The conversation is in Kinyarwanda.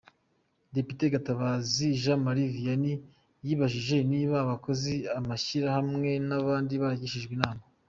Depite Gatabazi Jean Marie Vianney yibajije niba abakozi, amashyirahamwe, n’abandi baragishijwe inama.